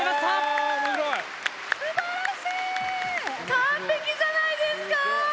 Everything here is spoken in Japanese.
完璧じゃないですか？